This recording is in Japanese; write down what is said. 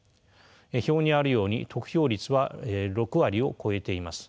表にあるように得票率は６割を超えています。